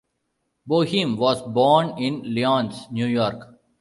Boeheim was born in Lyons, New York.